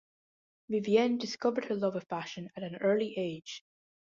Vivienne discovered her love of fashion at an early age.